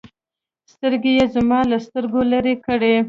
سترگې يې زما له سترگو لرې کړې.